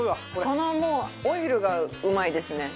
このオイルがうまいですね。